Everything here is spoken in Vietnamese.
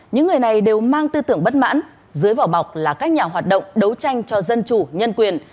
những người này đều mang tư tưởng bất mãn dưới vỏ bọc là các nhà hoạt động đấu tranh cho dân chủ nhân quyền